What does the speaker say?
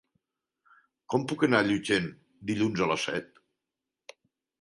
Com puc anar a Llutxent dilluns a les set?